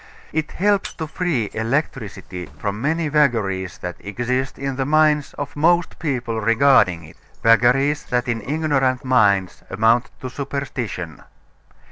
It helps to free electricity from many vagaries that exist in the minds of most people regarding it; vagaries that in ignorant minds amount to superstition.